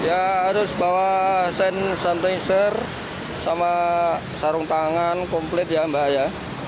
ya harus bawa sen santai ser sama sarung tangan komplit ya mbak ya